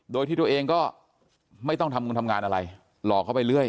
โดยที่ตัวเองก็ไม่ต้องทำงงทำงานอะไรหลอกเขาไปเรื่อย